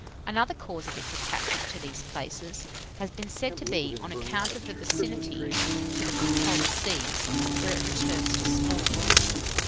Another cause of its attachment to these places has been said to be on account of the vicinity to the Polar seas, where it returns to spawn.